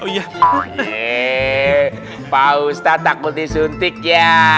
yeah pak ustaz takut disuntik ya